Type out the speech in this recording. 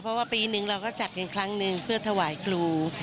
เพราะว่าปีหนึ่งเราก็จัดกันครั้งหนึ่งเพื่อถวายครู